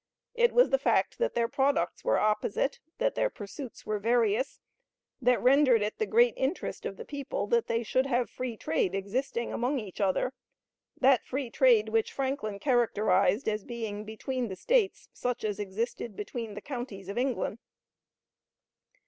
It was the fact that their products were opposite that their pursuits were various that rendered it the great interest of the people that they should have free trade existing among each other; that free trade which Franklin characterized as being between the States such as existed between the counties of England.